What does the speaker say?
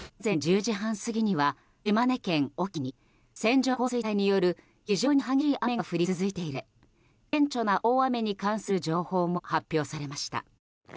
午前１０時半過ぎには島根県隠岐に線状降水帯による非常に激しい雨が降り続いているとして顕著な大雨に関する情報も発表されました。